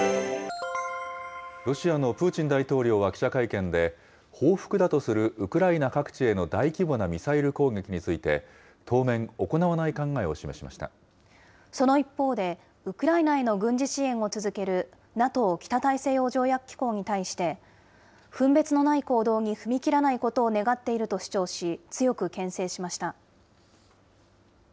ロシアのプーチン大統領は記者会見で、報復だとするウクライナ各地への大規模なミサイル攻撃について、その一方で、ウクライナへの軍事支援を続ける、ＮＡＴＯ・北大西洋条約機構に対して、分別のない行動に踏み切らないことを願っていると主張し、強くけん制しました。